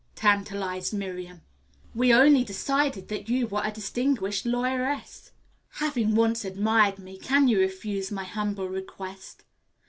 tantalized Miriam. "We only decided that you were a distinguished lawyeress." "Having once admired me, can you refuse my humble request?"